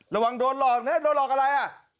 ระวังโดนหลอกนะโดนหลอกอะไรอ่ะ